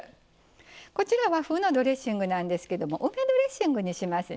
こちら和風のドレッシングなんですけども梅ドレッシングにしますね。